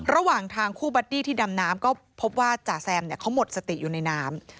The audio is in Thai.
ระหว่างทางคู่บัดดี้ที่ดำน้ำก็พบว่าจ่าแซมเขาหมดสติอยู่ในน้ำ